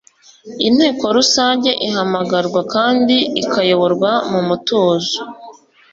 Inteko rusange Ihamagarwa kandi ikayoborwa mumutuzo